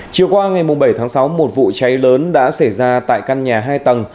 chiều qua ngày bảy tháng sáu một vụ cháy lớn đã xảy ra tại căn nhà hai tầng